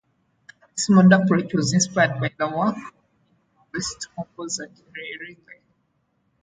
This modal approach was inspired by the work of minimalist composer Terry Riley.